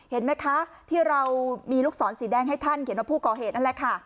เห็นไหมคะที่เรามีลูกศรสีแดงให้ท่านเขียนว่าผู้ก่อเหตุนั่นแหละค่ะ